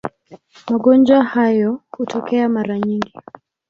Magonjwa hayo hutokea mara nyingi.